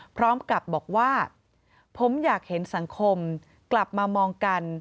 พร้อมกับบอกว่าผมอยากเห็นสังคมกลับมามองกัน